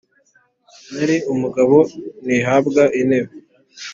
Nari umugabo ntihabwa intebe.